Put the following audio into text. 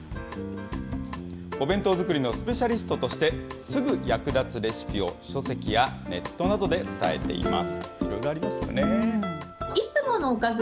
お弁当作りのスペシャリストとして、すぐ役立つレシピを書籍やネットなどで伝えています。